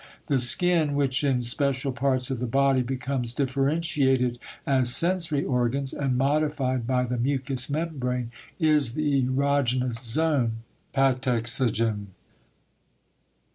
The skin, which in special parts of the body becomes differentiated as sensory organs and modified by the mucous membrane, is the erogenous zone, [Greek: kat] ex ogen.